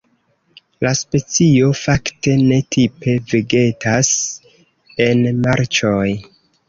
La specio fakte ne tipe vegetas en marĉoj.